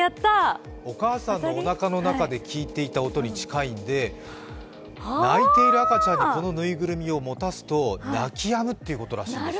お母さんのおなかの中で聞いていた音に近いので、泣いている赤ちゃんにこのぬいぐるみを持たすと泣きやむということらしいです。